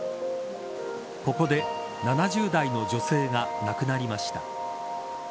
ここで７０代の女性が亡くなりました。